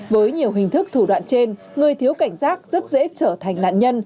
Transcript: với nhiều hình thức thủ đoạn trên người thiếu cảnh giác rất dễ trở thành nạn nhân